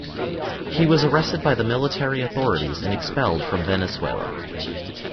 He was arrested by the military authorities and expelled from Venezuela.